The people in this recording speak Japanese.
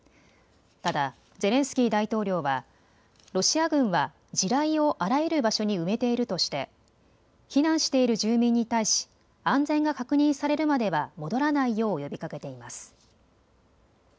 ただゼレンスキー大統領はロシア軍は地雷をあらゆる場所に埋めているとして避難している住民に対し安全が確認されるまでは戻らないよう呼びかけています。